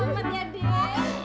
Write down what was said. selamat ya de